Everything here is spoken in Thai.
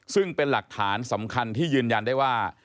ซึ่งเป็นหลักฐานสำคัญที่ยืนยันได้ว่า